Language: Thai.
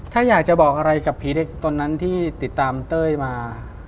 ถ้าอยากจะบอกอะไรกับผีเด็กตอนนั้นที่ติดตามเต้ยมา